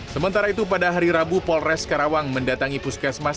sementara itu pada hari rabu polres karawang mendatangi puskesmas